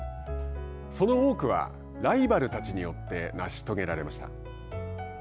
その多くはライバルたちによって成し遂げられました。